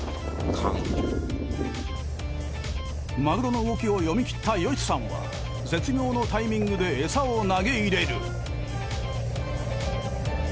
マグロの動きを読みきったヨシさんは絶妙のタイミングでエサを投げ入れる。